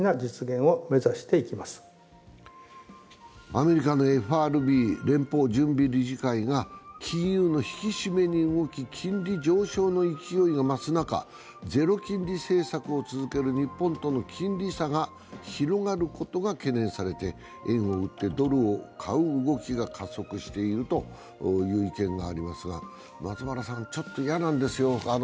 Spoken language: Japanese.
アメリカのＦＲＢ＝連邦準備理事会が金融の引き締めに動き金利上昇の勢いが増す中、ゼロ金利政策を続ける日本との金利差が広がることが懸念されて、円を売って、ドルを買う動きが加速しているという意見がありますが、松原さん、ちょっと嫌なんですよ。